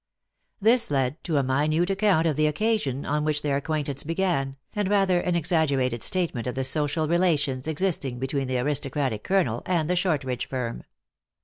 This led to a minute account of the occasion on which their acquaintance began, and rather an exaggerated statement of the social relations existing between the aristocratic colonel and the Shortridge firm.